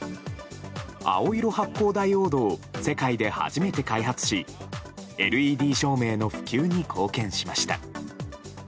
青色発光ダイオードを世界で初めて開発しＬＥＤ照明の普及に貢献しました。